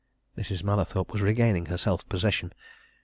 Mrs. Mallathorpe was regaining her self possession.